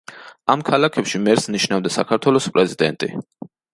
ამ ქალაქებში მერს ნიშნავდა საქართველოს პრეზიდენტი.